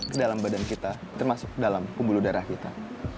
ke dalam badan kita termasuk ke dalam kumbu udara kita